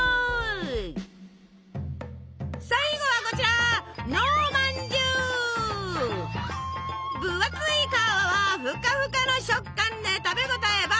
最後はこちら分厚い皮はふかふかの食感で食べ応えバッチリ！